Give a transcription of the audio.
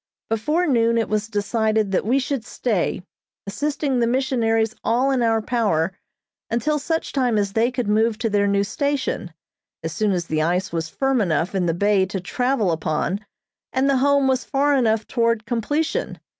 Before noon it was decided that we should stay, assisting the missionaries all in our power until such time as they could move to their new station, as soon as the ice was firm enough in the bay to travel upon and the Home was far enough toward completion.